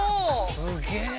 すげえな。